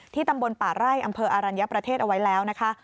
ตำบลป่าไร่อำเภออรัญญประเทศเอาไว้แล้วนะคะ